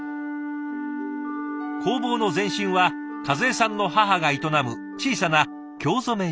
工房の前身は和江さんの母が営む小さな京染